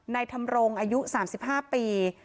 นายธรรมรงค์อายุ๓๕ปี